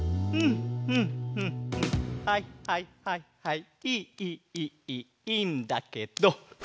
いいいいいいいいいいんだけど。